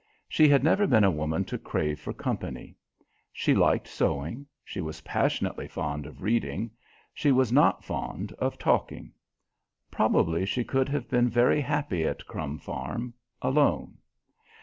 She had never been a woman to crave for company. She liked sewing. She was passionately fond of reading. She was not fond of talking. Probably she could have been very happy at Cromb Farm alone.